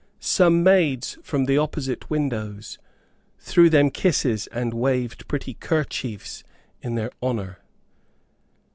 Some maids from the opposite windows threw them kisses and waved pretty kerchiefs in their honor.